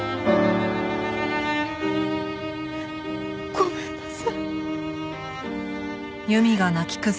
ごめんなさい。